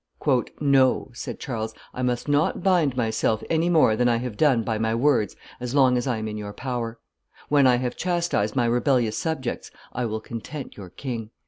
"No," said Charles, "I must not bind myself any more than I have done by my words as long as I am in your power; when I have chastised my rebellious subjects I will content your king."